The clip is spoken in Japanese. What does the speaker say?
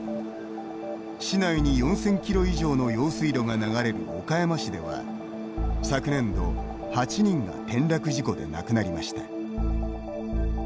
市内に４０００キロ以上の用水路が流れる岡山市では昨年度、８人が転落事故で亡くなりました。